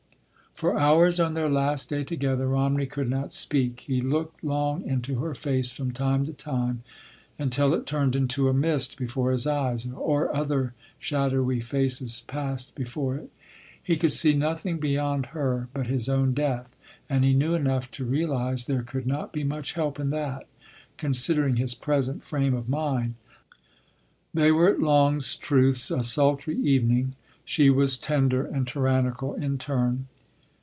For hours on their last day together Romney could not speak. He looked long into her face from time to time—until it turned into a mist before his eyes, or other shadowy faces passed before it. He could see nothing beyond her but his own death, and he knew enough to realise there could not be much help in that, considering his present frame of mind.... They were at Longstruth’s, a sultry evening. She was tender and tyrannical in turn.